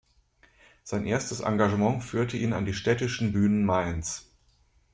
Sein erstes Engagement führte ihn an die Städtischen Bühnen Mainz.